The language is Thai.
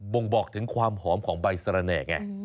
่งบอกถึงความหอมของใบสระแหน่ไง